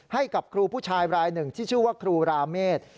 ให้กับครูผู้ชายรายหนึ่งที่ชื่อว่าครูราเมษ